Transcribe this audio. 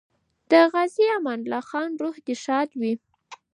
د غازي امان الله خان روح دې ښاد وي.